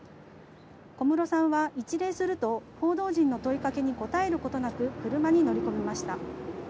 小室さんは一礼すると報道陣の問いかけに答えることなく車に乗り込みました。